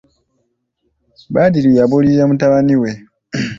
Badru yabuulirira mutabani we.